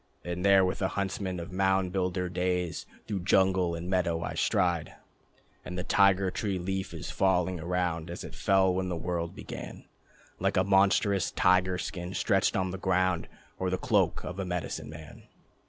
And there with the huntsmen of mound builder days Through jungle and meadow I stride. And the Tiger Tree leaf is falling around As it fell when the world began: Like a monstrous tiger skin, stretched on the ground, Or the cloak of a medicine man.